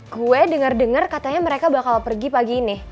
gue dengar dengar katanya mereka bakal pergi pagi ini